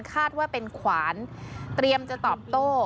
คาดว่าเป็นขวานเตรียมจะตอบโต้